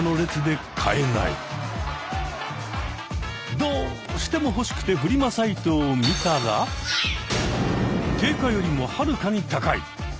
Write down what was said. どうしても欲しくてフリマサイトを見たら定価よりもはるかに高い！